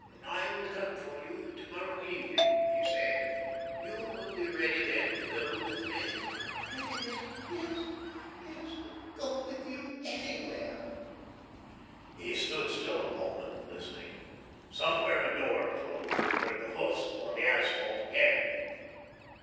"I will come for you to morrow evening," he said. "You will be ready then to go with me?" "Ready then? Yes, yes, to go with you anywhere." He stood still a moment, listening. Somewhere a door closed. He heard the hoofs upon the asphalt again.